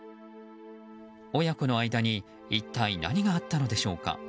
親子の間に一体何があったのでしょうか。